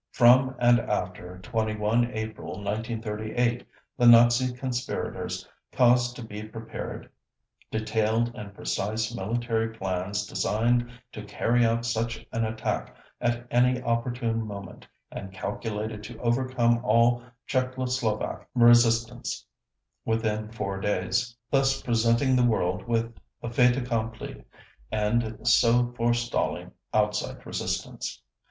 From and after 21 April 1938, the Nazi conspirators caused to be prepared detailed and precise military plans designed to carry out such an attack at any opportune moment and calculated to overcome all Czechoslovak resistance within four days, thus presenting the world with a fait accompli, and so forestalling outside resistance.